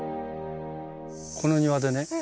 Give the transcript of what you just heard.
この庭でね